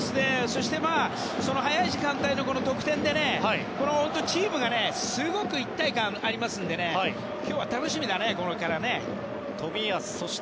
そして、早い時間帯の得点でチームにすごく一体感がありますので今日は楽しみだね、これからね。